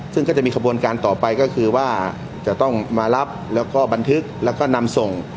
ซึ่งจะมีขบวนการต่อไปต้องรับบันทึกแล้วก็นำส่ง